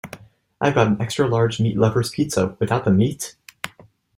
I’ve got an extra large meat lover’s pizza, without the meat?